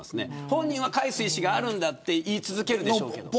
本人は返す意思があると言い続けるでしょうけど。